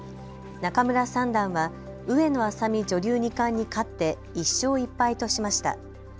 仲邑三段は上野愛咲美女流二冠に勝って１勝１敗としました。